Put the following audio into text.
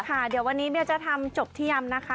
ค่ะเดี๋ยววันนี้เบียจะทำจบที่ยำนะคะ